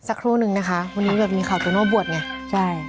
กันสักครู่กันหรอสักครู่นึงนะคะวันนี้แบบมีคาวโตโน่บทไงใช่